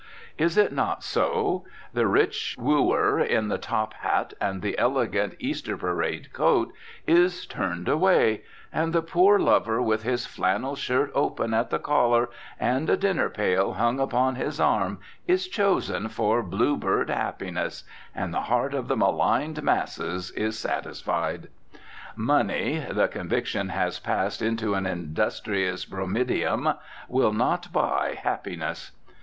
Is it not so: the rich wooer in the top hat and the elegant Easter parade coat is turned away, and the poor lover with his flannel shirt open at the collar and a dinner pail hung upon his arm is chosen for bluebird happiness and the heart of the maligned masses is satisfied. Money (the conviction has passed into an industrious bromideum) will not buy happiness.